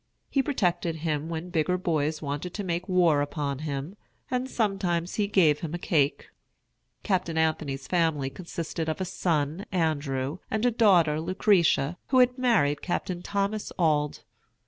He protected him when bigger boys wanted to make war upon him, and sometimes he gave him a cake. Captain Anthony's family consisted of a son, Andrew, and a daughter, Lucretia, who had married Captain Thomas Auld.